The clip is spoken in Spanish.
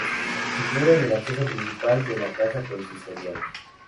Figura en el acceso principal de la casa consistorial.